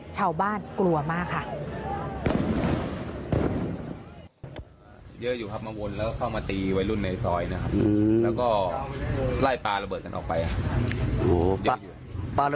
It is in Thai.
ชาวบ้านกลัวมากค่ะ